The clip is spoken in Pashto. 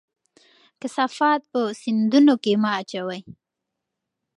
کثافات په سیندونو کې مه اچوئ.